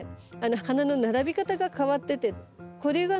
花の並び方が変わっててこれがね